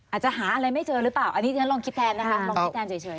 อาจจะหาอะไรไม่เจอหรือเปล่าอันนี้ฉันลองคิดแทนนะคะลองคิดแทนเฉย